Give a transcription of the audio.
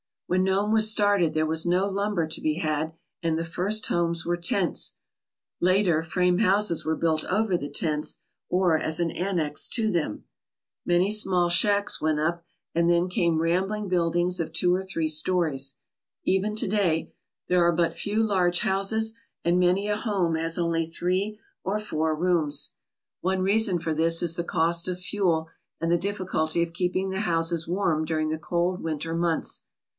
When Nome was started there was no lumber to be had, and the first homes were tents. Later, frame houses were built over the tents, or as an annex to them. Many small 186 THE CITY OF GOLDEN SANDS shacks went up, and then came rambling buildings of two or three stories. Even to day there are but few large houses and many a home has only three or four rooms. One reason for this is the cost of fuel and the difficulty of keeping the houses warm during the cold winter months.